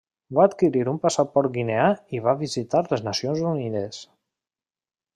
Va adquirir un passaport guineà i va visitar les Nacions Unides.